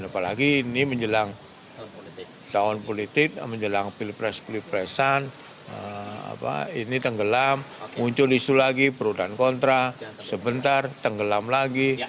apalagi ini menjelang tahun politik menjelang pilpres pilpresan ini tenggelam muncul isu lagi pro dan kontra sebentar tenggelam lagi